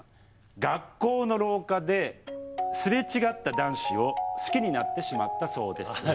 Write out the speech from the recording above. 学校の廊下で、すれ違った男子を好きになってしまったそうです。